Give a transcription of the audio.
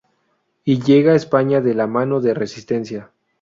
Y llega a España de la mano de Resistencia.